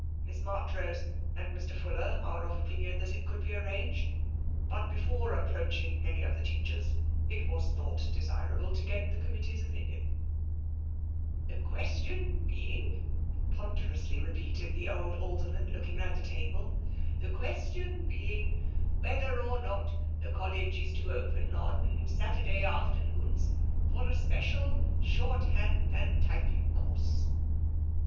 Miss Marchrose and Mr. Fuller are of opinion that it could be arranged, but before approach ing any of the teachers, it was thought desirable to get the committee's opinion." 96 TENSION " The question being," ponderously repeated the old Alderman, looking round the table, " the question be ing, whether or not the College is to open on Saturday afternoons for a special shorthand and typing course."